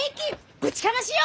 ぶちかましよ！